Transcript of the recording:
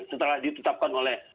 setelah ditetapkan oleh